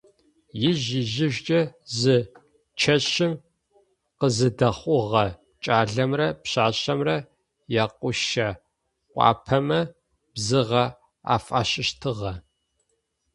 Ижъ-ижъыжькӏэ зы чэщым къызэдэхъугъэхэ кӏалэмрэ пшъашъэмрэ якъушъэ къуапэмэ бзыгъэ афашӏыщтыгъэ.